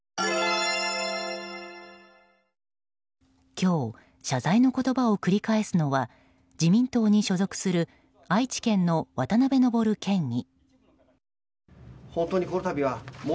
今日謝罪の言葉を繰り返すのは自民党に所属する愛知県の渡辺昇県議。